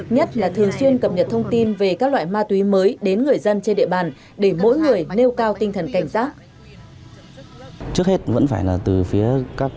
nhất là thường xuyên cập nhật thông tin về các loại ma túy mới đến người dân trên địa bàn